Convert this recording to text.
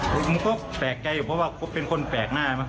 ผมก็แปลกใจอยู่เพราะว่าเป็นคนแปลกหน้ามั